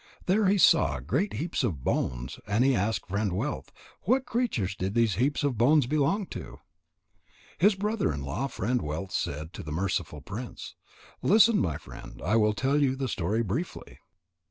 There he saw great heaps of bones, and he asked Friend wealth: "What creatures did these heaps of bones belong to?" His brother in law Friend wealth said to the merciful prince: "Listen, my friend. I will tell you the story briefly."